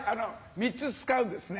３つ使うんですね？